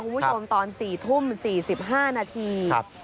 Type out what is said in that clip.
คุณผู้ชมตอน๔ทุ่ม๔๕นาที